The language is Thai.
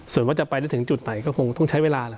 ส่วนว่าจะไปได้ถึงจุดไหนก็คงต้องใช้เวลาล่ะ